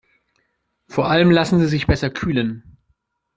Vor allem lassen sie sich besser kühlen.